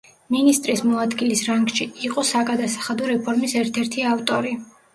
მინისტრის მოადგილის რანგში, იყო საგადასახადო რეფორმის ერთ-ერთ ავტორი.